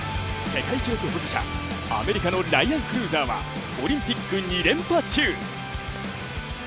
世界記録保持者、アメリカのライアン・クルーザーはオリンピック２連覇中。